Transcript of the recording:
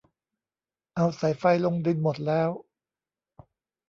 เอาสายไฟลงดินหมดแล้ว